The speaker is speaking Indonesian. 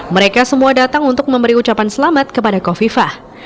mereka semua datang untuk memberi ucapan selamat kepada kofifah